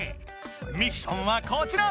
ミッションはこちら！